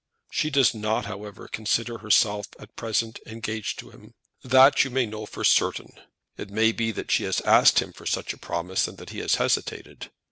She does not, however, consider herself as at present engaged to him. That you may know for certain. It may be that she has asked him for such a promise, and that he has hesitated.